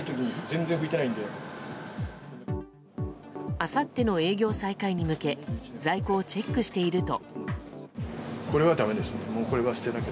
あさっての営業再開に向け在庫をチェックしていると。